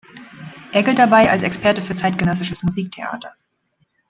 Er gilt dabei als Experte für zeitgenössisches Musiktheater.